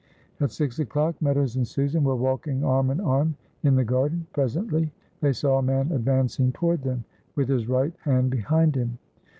At six o'clock Meadows and Susan were walking arm in arm in the garden. Presently they saw a man advancing toward them, with his right hand behind him.